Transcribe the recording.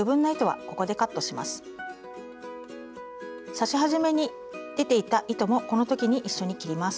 刺し始めに出ていた糸もこの時に一緒に切ります。